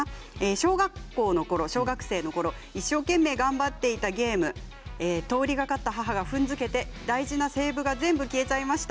小学校のころ一生懸命頑張っていたゲーム通りかかった母が踏んづけて大事なセーブが全部消えちゃいました。